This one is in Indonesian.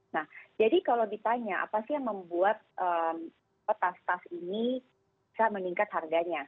nah jadi kalau ditanya apa sih yang membuat tas tas ini bisa meningkat harganya